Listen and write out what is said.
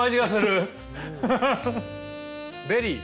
ベリー。